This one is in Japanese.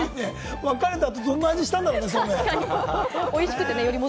別れた後、どんな味したんだろうね？そうめん。